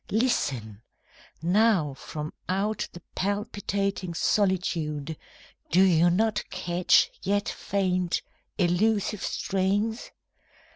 Listen! Now, From out the palpitating solitude Do you not catch, yet faint, elusive strains?